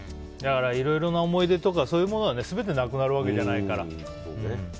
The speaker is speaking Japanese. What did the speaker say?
いろいろな思い出とかそういうものが全てなくなるわけじゃないから。